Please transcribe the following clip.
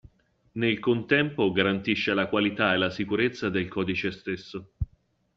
Nel contempo, garantisce la qualità e la sicurezza del codice stesso.